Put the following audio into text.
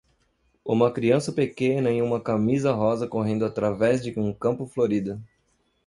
uma criança pequena em uma camisa rosa correndo através de um campo florido.